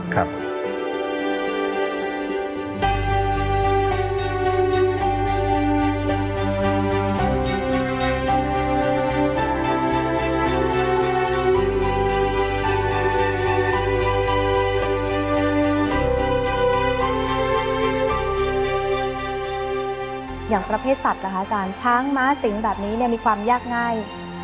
อย่างประเภทสัตว์ช้างม้าสิงห์แบบนี้มีความยากง่าย